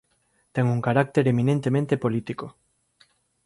Ten un carácter eminentemente político.